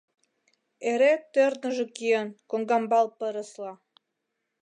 Эре тӧрныжӧ киен, коҥгамбал пырысла.